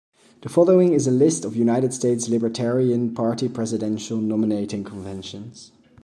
The following is a list of United States Libertarian Party Presidential nominating conventions.